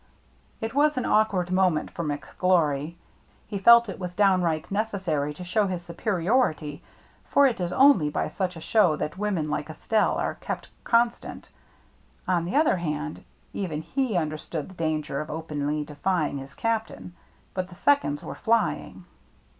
It was an awkward moment for McGlory. He felt that it was downright necessary to show his superiority, for it is only by such a show that women like Estelle are kept con stant. On the other hand, even he understood the danger of openly defying his captain. But the seconds were flying.